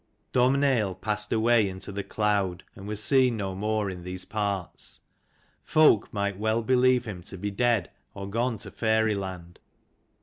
Domhnaill passed away into the cloud and was seen no more in these parts. Folk might well believe him to be dead, or gone to fairy land.